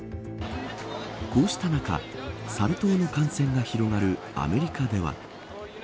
こうした中、サル痘の感染が広がるアメリカでは。